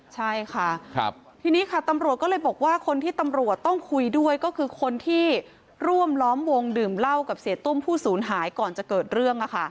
ใช่ค่ะทีนี้ค่ะตำรวจก็เลยบอกว่าคนที่ตำรวจต้องคุยด้วยก็คือคนที่ร่วมล้อมวงดื่มเหล้ากับเสียตุ้มผู้ศูนย์หายก่อนจะเกิดเรื่อง